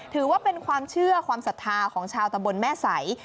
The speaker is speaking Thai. ถือว่าเป็นความเชื่อความศรัทธาของชาวตำบลแม่ใส